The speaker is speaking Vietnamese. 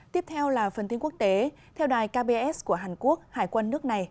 tiếp theo là phần tin quốc tế theo đài kbs của hàn quốc hải quân nước này